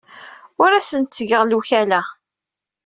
Ur asent-d-ttgeɣ lewkala.